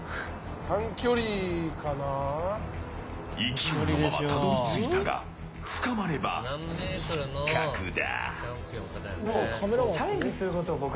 勢いのままたどり着いたが捕まれば失格だ。